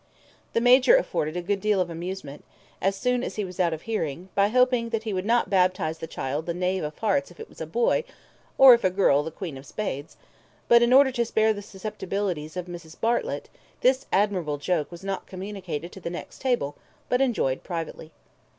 The Major afforded a good deal of amusement, as soon as he was out of hearing, by hoping that he would not baptize the child the Knave of Hearts if it was a boy, or, if a girl, the Queen of Spades; but in order to spare the susceptibilities of Mrs. Bartlett, this admirable joke was not communicated to the next table, but enjoyed privately.